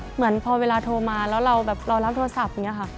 เหมือนพอเวลาโทรมาแล้วเราแบบเรารับโทรศัพท์อย่างนี้ค่ะ